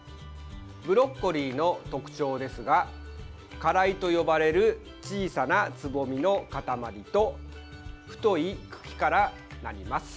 ブロッコリーの特徴ですが花らいと呼ばれる小さなつぼみの塊と太い茎からなります。